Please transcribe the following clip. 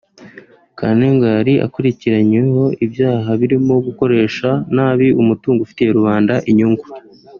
Kantengwa yari akurikiranyweho ibyaha birimo gukoresha nabi umutungo ufitiye rubanda inyungu